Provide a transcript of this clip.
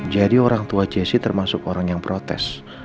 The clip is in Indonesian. jadi orang tua jesse termasuk orang yang protes